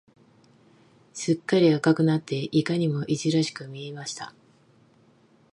すっかり赤くなって、いかにもいじらしく見えました。